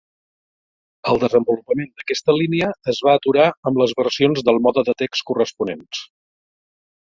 El desenvolupament d'aquesta línia es va aturar amb les versions del mode de text corresponents.